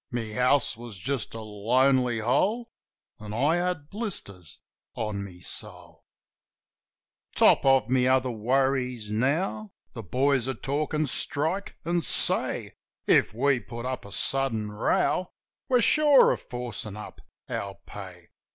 My house was just a lonely hole. An' I had blisters on my soul. Top of my other worries now The boys are talkin' strike, an' say If we put up a sudden row We're sure of forcin' up our pay.